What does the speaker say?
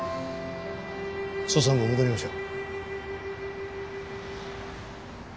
捜査本部へ戻りましょう。